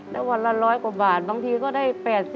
แล้ววันละ๑๐๐กว่าบาทบางทีก็ได้๘๐